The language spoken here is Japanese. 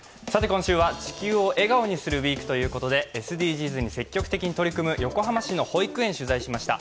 今週は「地球を笑顔にするＷＥＥＫ」ということで、ＳＤＧｓに積極的に取り組む横浜市の保育園、取材しました。